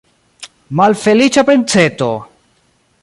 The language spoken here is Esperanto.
Malfeliĉa princeto!